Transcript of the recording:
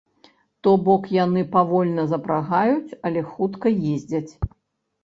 То бок яны павольна запрагаюць, але хутка ездзяць.